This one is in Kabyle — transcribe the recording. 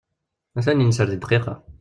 A-t-an yenser deg ddqiqa.